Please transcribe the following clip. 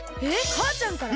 かあちゃんから？